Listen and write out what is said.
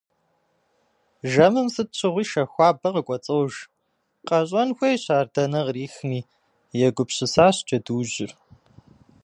Жэмым сыт щыгъуи шэ хуабэ къыкӏуэцӏож… Къэщӏэн хуейщ ар дэнэ кърихми - егупсысащ джэдуужьыр.